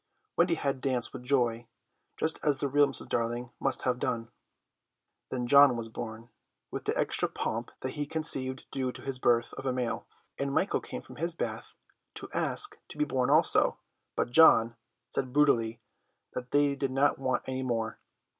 Wendy had danced with joy, just as the real Mrs. Darling must have done. Then John was born, with the extra pomp that he conceived due to the birth of a male, and Michael came from his bath to ask to be born also, but John said brutally that they did not want any more.